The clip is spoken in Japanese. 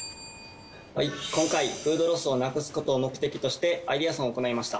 はい今回フードロスをなくすことを目的としてアイデアソンを行いました。